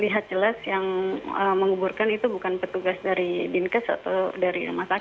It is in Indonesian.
lihat jelas yang menguburkan itu bukan petugas dari dinkes atau dari rumah sakit